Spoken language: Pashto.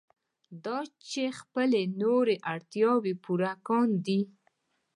دا چې خپلې نورې اړتیاوې پوره کاندي.